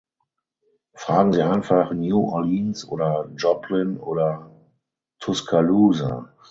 Fragen Sie einfach New Orleans oder Joplin oder Tuscaloosa.